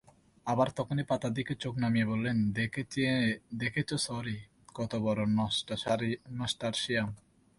আবার তখনই পাতার দিকে চোখ নামিয়ে বললেন, দেখেছ সরি, কতবড়ো ন্যাসটার্শিয়াম।